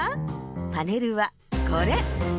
パネルはこれ。